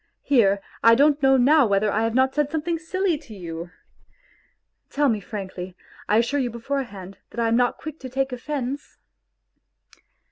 Here, I don't know now whether I have not said something silly to you ! Tell me frankly; I assure you beforehand that I am not quick to take offence